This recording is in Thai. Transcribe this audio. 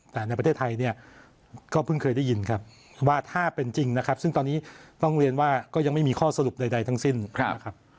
แต่ในประเทศไทยเนี่ยก็เพิ่งเคยได้ยินครับว่าถ้าเป็นจริงนะครับซึ่งตอนนี้ต้องเรียนว่าก็ยังไม่มีข้อสรุปใดทั้งสิ้นนะครับ